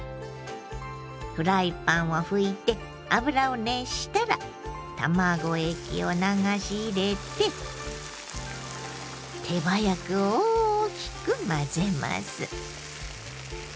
フライパンを拭いて油を熱したら卵液を流し入れて手早く大きく混ぜます。